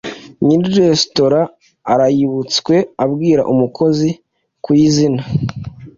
nyiri resitora ayirabutswe abwira umukozi kuyizna